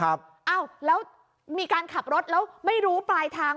อ้าวแล้วมีการขับรถแล้วไม่รู้ปลายทาง